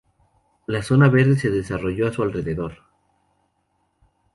La Zona Verde se desarrolló a su alrededor.